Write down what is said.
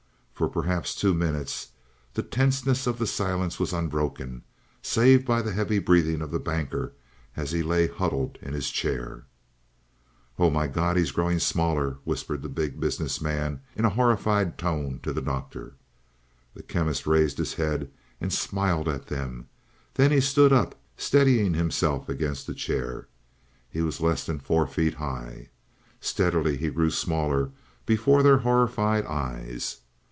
For perhaps two minutes the tenseness of the silence was unbroken, save by the heavy breathing of the Banker as he lay huddled in his chair. "Oh, my God! He is growing smaller!" whispered the Big Business Man in a horrified tone to the Doctor. The Chemist raised his head and smiled at them. Then he stood up, steadying himself against a chair. He was less than four feet high. Steadily he grew smaller before their horrified eyes.